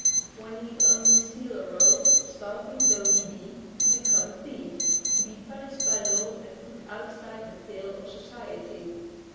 One need only steal a roll, starving tho he be, to become a thief, to be punished by law and put outside the pale of society.